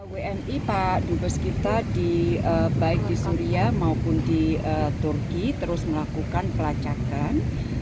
wni pak dubes kita baik di suria maupun di turki terus melakukan pelacakan